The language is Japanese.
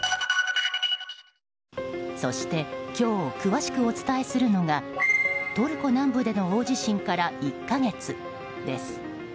そして今日詳しくお伝えするのがトルコ南部での大地震から１か月です。